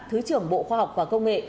thứ trưởng bộ khoa học và công nghệ